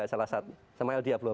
salah satu sama ldi abloh